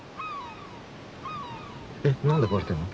えっ何でバレてんの？